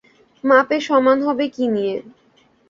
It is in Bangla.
মাপে সমান হব কী নিয়ে।